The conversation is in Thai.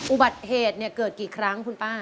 อุบัติเหตุเกิดกี่ครั้งคุณป้า